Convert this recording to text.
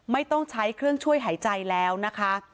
ไม่ต้องใช้เครื่องช่วยหายใจแล้วนะคะ